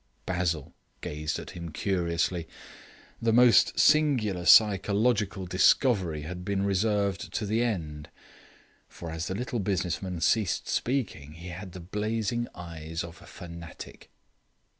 Basil gazed at him curiously. The most singular psychological discovery had been reserved to the end, for as the little business man ceased speaking he had the blazing eyes of a fanatic.